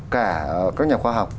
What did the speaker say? cả các nhà khoa học